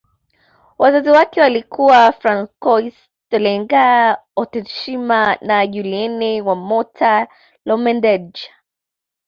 Wazazi wake walikuwa Francois Tolenga Otetshima na Julienne Wamato Lomendja